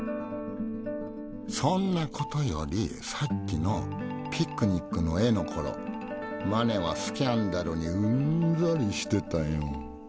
そんなことよりさっきのピクニックの絵の頃マネはスキャンダルにうんざりしてたよ。